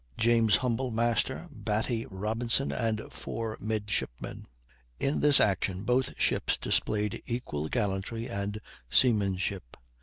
James Humble, master, Batty Robinson, and four midshipmen. In this action both ships displayed equal gallantry and seamanship.